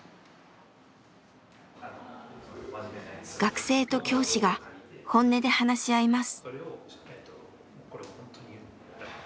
学生と教師が本音で話し合います。